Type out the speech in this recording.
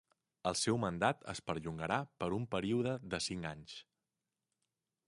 El seu mandat es perllongarà per un període de cinc anys.